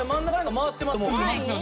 回ってますね。